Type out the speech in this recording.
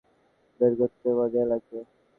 বের করতে মজাই লাগবে!